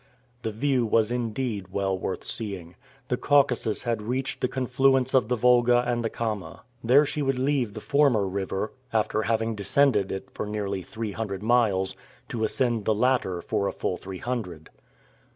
The view was indeed well worth seeing. The Caucasus had reached the confluence of the Volga and the Kama. There she would leave the former river, after having descended it for nearly three hundred miles, to ascend the latter for a full three hundred.